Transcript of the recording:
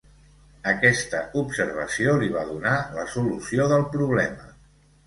Aquesta observació li va donar la solució del problema.